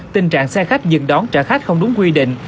tình trạng xe khách dừng đón trả khách không đúng quy định